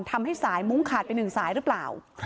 ทำให้สายมุ้งขาดไปหนึ่งสายหรือเปล่า